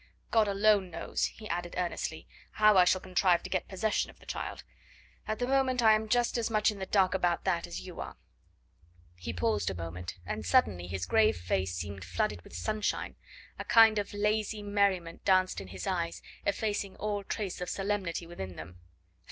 God alone knows," he added earnestly, "how I shall contrive to get possession of the child; at the moment I am just as much in the dark about that as you are." He paused a moment, and suddenly his grave face seemed flooded with sunshine, a kind of lazy merriment danced in his eyes, effacing all trace of solemnity within them.